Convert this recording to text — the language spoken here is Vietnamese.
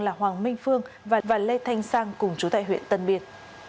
là hoàng minh phương và lê thanh sang cùng chú tại huyện tân biên